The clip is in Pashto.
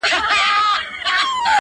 دا خواركۍ راپسي مه ږغـوه؛